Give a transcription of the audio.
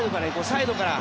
サイドから。